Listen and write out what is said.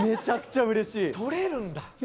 取れるんだ？